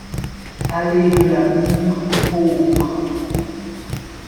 Allée de la Mûre, Peaugres